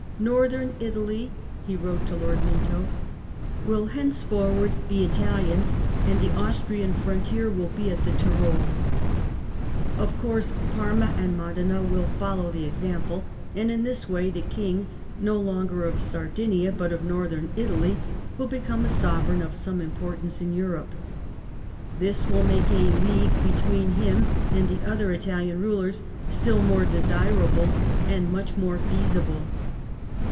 ''Northern Italy," he wrote to Lord Minto, ''will henceforward be Italian, and the Austrian frontier will be at the Tyrol. ... Of course, Farma and Modena will follow the example, and in this way the King, no longer of Sardinia, but of Northern Italy, will become a sovereign of some importance in Europe. This will make a league between him and the other Italian rulers still more desirable, and much more feasible.